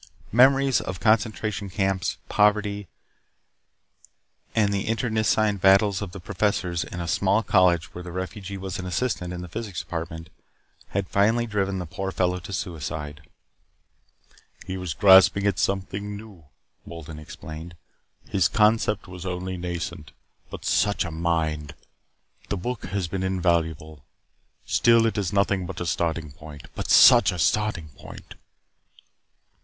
Memories of concentration camps, poverty, and the internecine battles of the professors in a small college where the refugee was an assistant in the Physics Department, had finally driven the poor fellow to suicide. "He was grasping at something new," Wolden explained. "His concept was only nascent. But such a mind! The book has been invaluable. Still, it is nothing but a starting point but such a starting point!"